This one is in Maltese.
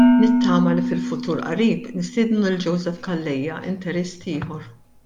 Nittama li fil-futur qarib nistiednu lil Joseph Calleja, Interist ieħor.